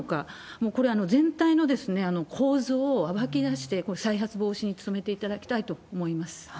もうこれ、全体の構図を暴き出して、再発防止に務めていただきたいと思いま